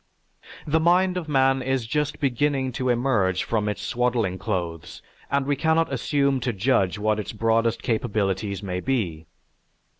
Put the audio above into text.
The mind of man is just beginning to emerge from its swaddling clothes and we cannot assume to judge what its broadest capabilities may be.